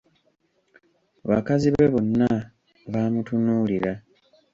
Bakazi be bonna baamutunuulira.